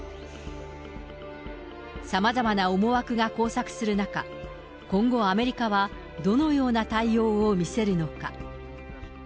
さまざまな思惑が交錯する中、今後、アメリカはどのような対応を見せるのか。